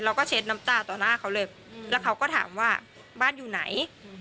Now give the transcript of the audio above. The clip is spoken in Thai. เช็ดน้ำตาต่อหน้าเขาเลยแล้วเขาก็ถามว่าบ้านอยู่ไหน